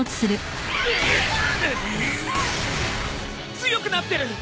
強くなってる！